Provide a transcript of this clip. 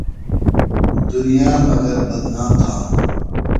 دُنیا مگر بدنام تھانوۡ۔